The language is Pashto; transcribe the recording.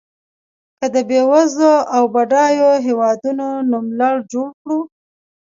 که د بېوزلو او بډایو هېوادونو نوملړ جوړ کړو.